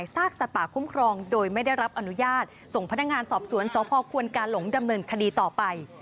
ส่งพนักงานสอบสวนสควรการหลงดำเนินคดีต่อไป